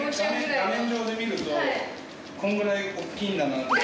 画面上で見るとこんぐらいおっきいんだなって。